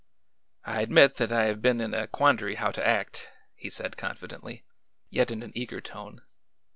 "I admit that I have been in a quandary how to act," he said confidently, yet in an eager tone.